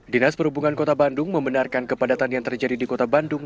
dinas perhubungan kota bandung membenarkan kepadatan yang terjadi di kota bandung